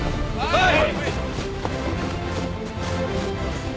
はい！